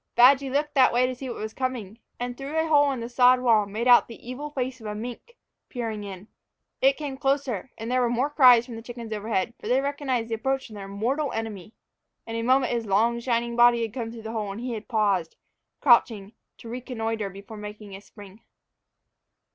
Badgy looked that way to see what was coming, and through a hole in the sod wall made out the evil face of a mink, peering in. It came closer, and there were more cries from the chickens overhead, for they had recognized the approach of their mortal enemy. In a moment his long, shining body had come through the hole, and he had paused, crouching, to reconnoiter before making a spring.